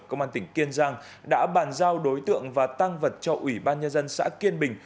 công an tỉnh kiên giang đã bàn giao đối tượng và tăng vật cho ủy ban nhân dân xã kiên bình